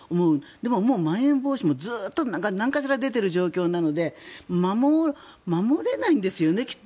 でも、もうまん延防止もずっとなんかしら出ている状況なので守れないんですよね、きっと。